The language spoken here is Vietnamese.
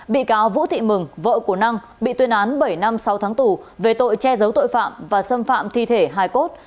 bị cáo vũ thị mừng vợ của năng bị tuyên án bảy năm sáu tháng tù về tội che giấu tội phạm và xâm phạm thi thể hai cốt